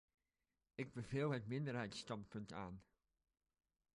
Ik beveel het minderheidsstandpunt aan.